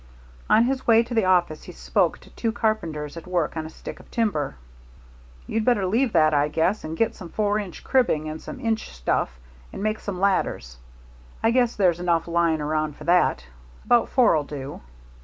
On his way to the office he spoke to two carpenters at work on a stick of timber. "You'd better leave that, I guess, and get some four inch cribbing and some inch stuff and make some ladders; I guess there's enough lying 'round for that. About four'll do."